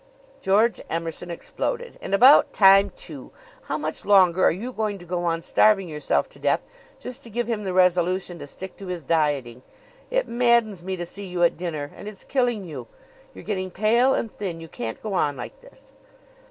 George Emerson exploded. "And about time, too! How much longer are you to go on starving yourself to death just to give him the resolution to stick to his dieting? It maddens me to see you at dinner. And it's killing you. You're getting pale and thin. You can't go on like this."